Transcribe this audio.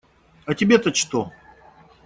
А тебе-то что?